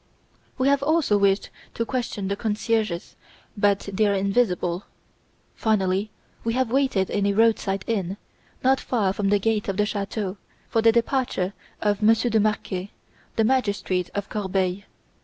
"We have also wished to question the concierges, but they are invisible. Finally, we have waited in a roadside inn, not far from the gate of the chateau, for the departure of Monsieur de Marquet, the magistrate of Corbeil.